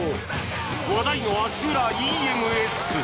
話題の足裏ＥＭＳ